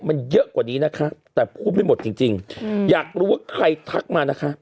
มันเยอะกว่านี้นะคะแต่พูดไม่หมดจริงจริงอยากรู้ว่าใครทักมานะคะ